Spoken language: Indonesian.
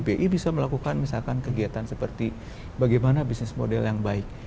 bi bisa melakukan misalkan kegiatan seperti bagaimana bisnis model yang baik